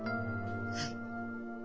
はい。